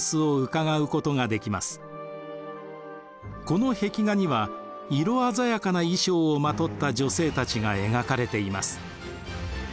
この壁画には色鮮やかな衣装をまとった女性たちが描かれています。